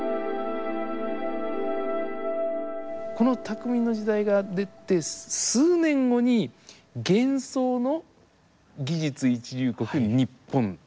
この「匠の時代」が出て数年後に「幻想の『技術一流国』ニッポン」。